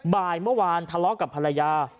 บ่ายเมื่อวานทะเลาะกับภรรยา